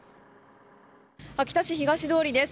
秋田市東通です。